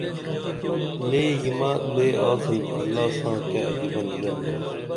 لے ییمہ لے آڅن اللہ ساں کیہ عجبہ نظام درو